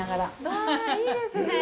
わ、いいですね。